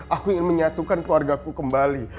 aku ingin menyatukan keluarga ku kembali